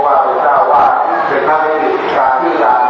ทำอะไรก็หมุนพร้อมเสร็จนะครับ